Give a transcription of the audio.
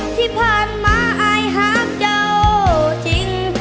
ที่ผ่านมาอายหักเจ้าจริง